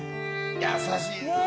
優しいですね。